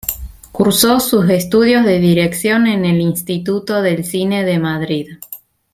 Cursó sus estudios de Dirección en el Instituto del Cine de Madrid.